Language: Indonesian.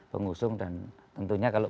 pengusung dan tentunya kalau